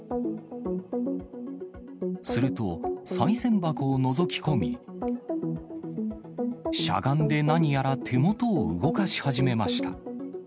すると、さい銭箱をのぞき込み、しゃがんで何やら手元を動かし始めました。